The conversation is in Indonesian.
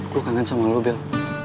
gue kangen sama lu bel